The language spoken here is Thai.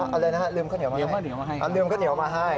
เอาเลยนะฮะลืมข้าวแหนียวมาให้